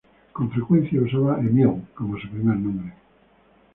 Con frecuencia usaba Émile como su primer nombre.